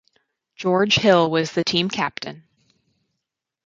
George Hill was the team captain.